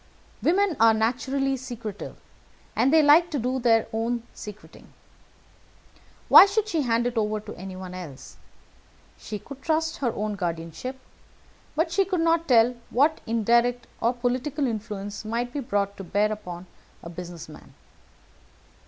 Women are naturally secretive, and they like to do their own secreting. Why should she hand it over to anyone else? She could trust her own guardianship, but she could not tell what indirect or political influence might be brought to bear upon a business man.